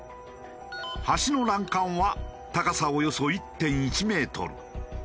橋の欄干は高さおよそ１．１メートル。